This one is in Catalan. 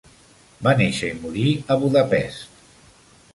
Va néixer i morir a Budapest.